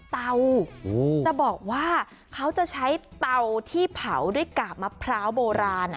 เตาจะบอกว่าเขาจะใช้เตาที่เผาด้วยกาบมะพร้าวโบราณ